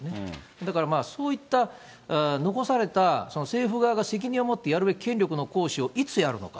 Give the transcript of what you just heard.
だからそういった、残された政府側が責任を持ってやるべき権力の行使をいつやるのか。